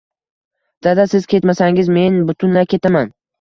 Dada siz ketmasangiz men butunlay ketaman